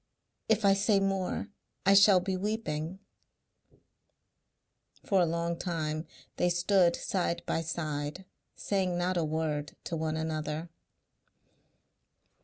If I say more I shall be weeping." For a long time they stood side by side saying not a word to one another.